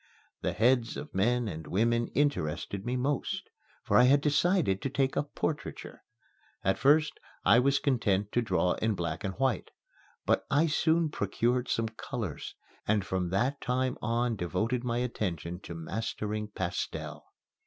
The heads of men and women interested me most, for I had decided to take up portraiture. At first I was content to draw in black and white, but I soon procured some colors and from that time on devoted my attention to mastering pastel.